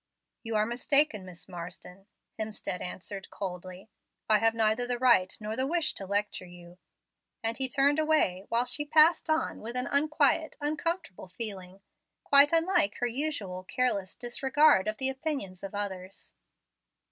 "You are mistaken, Miss Marsden," Hemstead answered coldly. "I have neither the right nor the wish to 'lecture' you"; and he turned away, while she passed on with an unquiet, uncomfortable feeling, quite unlike her usual careless disregard of the opinions of others.